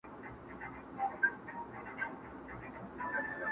ما په ژوند کي داسي قام نه دی لیدلی!!